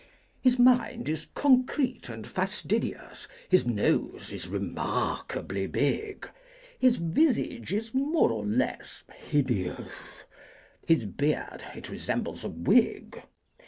His mind is concrete and fastidious, His nose is remarkably big; His visage is more or less hideous, His beard it resembles a wig.